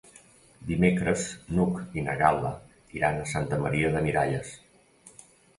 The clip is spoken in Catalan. Dimecres n'Hug i na Gal·la iran a Santa Maria de Miralles.